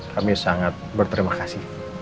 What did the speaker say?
kami sangat berterima kasih